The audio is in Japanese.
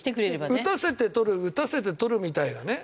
打たせて捕る打たせて捕るみたいなね。